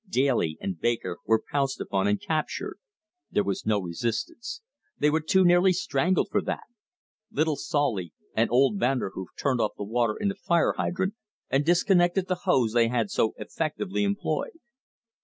Daly and Baker were pounced upon and captured. There was no resistance. They were too nearly strangled for that. Little Solly and old Vanderhoof turned off the water in the fire hydrant and disconnected the hose they had so effectively employed.